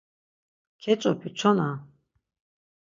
Keç̌opi çona.